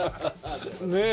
ねえ。